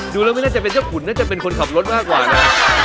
ดูแล้วไม่น่าจะเป็นเจ้าขุนน่าจะเป็นคนขับรถมากกว่านะ